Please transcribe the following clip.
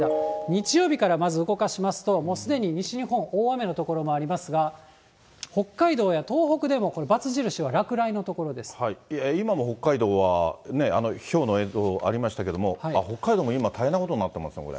日曜日からまず動かしますと、もうすでに西日本、大雨の所もありますが、北海道や東北でもこれ、今も北海道は、ひょうの映像ありましたけれども、北海道も今、大変なことになっていますね、これ。